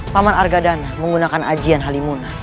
paman argadana menggunakan ajian halimun